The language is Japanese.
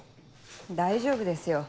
大丈夫ですよ。